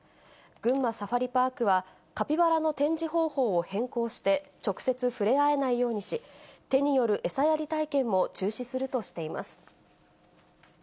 群馬サファリパークは、カピバラの展示方法を変更して、直接触れ合えないようにし、手による餌やり体験も中止するとしています。